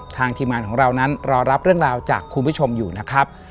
ทีมงานของเรานั้นรอรับเรื่องราวจากคุณผู้ชมอยู่นะครับ